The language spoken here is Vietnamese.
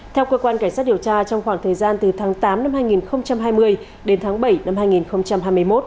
theo cơ quan cảnh sát điều tra trong khoảng thời gian từ tháng tám năm hai nghìn hai mươi đến tháng bảy năm hai nghìn hai mươi một